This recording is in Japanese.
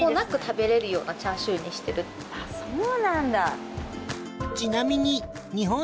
そうなんだ。